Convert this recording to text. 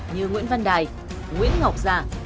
như nguyễn văn đài nguyễn ngọc giả